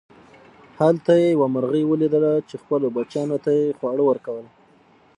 هلته یې یوه مرغۍ وليدله چې خپلو بچیانو ته یې خواړه ورکول.